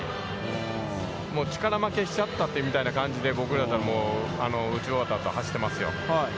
もう力負けしちゃったみたいな感じで、僕らだったら、打ち終わった後、走ってますよ。